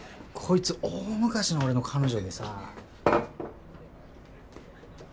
こいつ大昔の俺の彼女でさ。